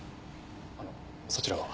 あのそちらは？